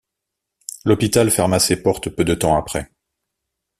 L'hôpital ferma ses portes peu de temps après.